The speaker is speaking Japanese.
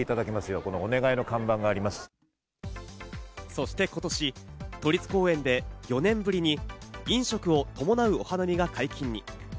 そして今年、都立公園で４年ぶりに飲食を伴うお花見が解禁に。